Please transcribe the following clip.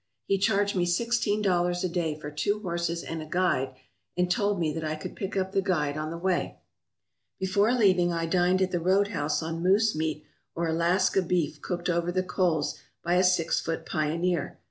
He charged me sixteen dollars a day for two horses and a guide, and told me that I could pick up the guide on the way. Before leaving I dined at the roadhouse on moose meat or Alaska beef cooked over the coals by a six foot pioneer.